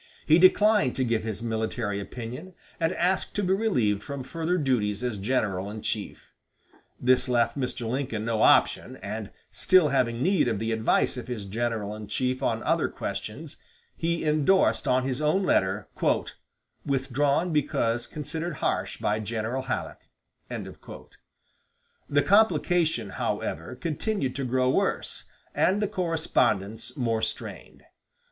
He declined to give his military opinion, and asked to be relieved from further duties as general in chief. This left Mr. Lincoln no option, and still having need of the advice of his general in chief on other questions, he indorsed on his own letter, "withdrawn because considered harsh by General Halleck." The complication, however, continued to grow worse, and the correspondence more strained.